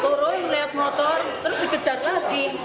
turun lihat motor terus dikejar lagi